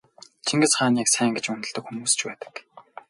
Чингис хааныг сайн гэж үнэлдэг хүмүүс ч байдаг.